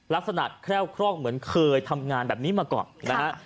ลักษณะแคล้วคร่องเหมือนเคยทำงานแบบนี้มาก่อน